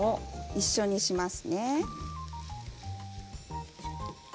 一緒にしますね。